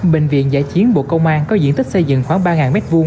bệnh viện giã chiến bộ công an có diện tích xây dựng khoảng ba m hai